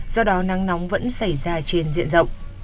do đó nắng nóng vẫn xảy ra trên diện rộng